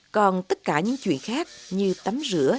còn tất cả những chuyện khác như tắm rửa